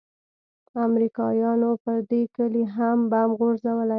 امريکايانو پر دې كلي هم بم غورځولي وو.